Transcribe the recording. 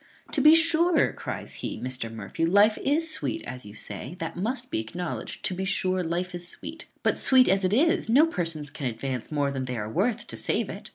"To be sure," cries he, "Mr. Murphy, life is sweet, as you say, that must be acknowledged; to be sure, life is sweet; but, sweet as it is, no persons can advance more than they are worth to save it.